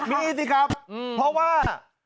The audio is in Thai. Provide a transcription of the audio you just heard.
มีสิครับเพราะว่า